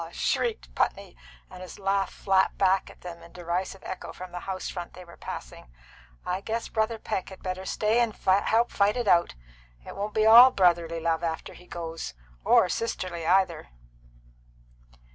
shrieked Putney, and his laugh flapped back at them in derisive echo from the house front they were passing. "I guess Brother Peck had better stay and help fight it out. It won't be all brotherly love after he goes or sisterly either."